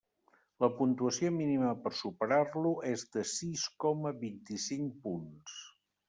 La puntuació mínima per superar-lo és de sis coma vint-i-cinc punts.